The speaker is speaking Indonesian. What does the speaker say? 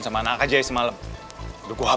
sampe lu kasi doubled nya tol